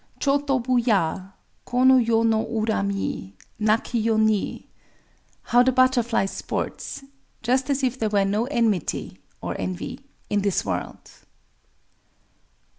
_] Chō tobu ya— Kono yo no urami Naki yō ni! [How the butterfly sports,—just as if there were no enmity (or "envy") _in this world!